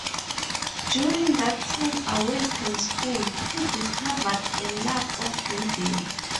During that time away from school, he discovered a love of reading.